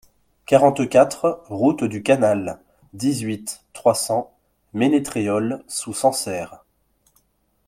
quarante-quatre route du Canal, dix-huit, trois cents, Ménétréol-sous-Sancerre